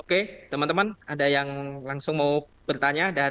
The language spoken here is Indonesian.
oke teman teman ada yang langsung mau bertanya